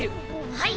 はい！